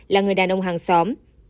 là người đàn ông hàng xóm